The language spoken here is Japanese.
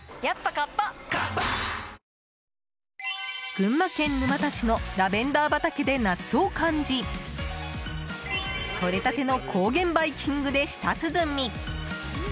群馬県沼田市のラベンダー畑で夏を感じとれたての高原バイキングで舌つづみ。